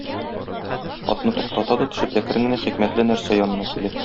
Атны туктата да төшеп әкрен генә хикмәтле нәрсә янына килә.